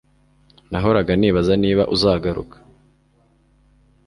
Nahoraga nibaza niba uzagaruka